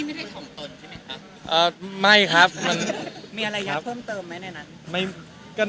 มีอะไรอยากเพิ่มเติมไหมในนั้น